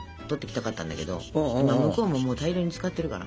今向こうも大量に使ってるから。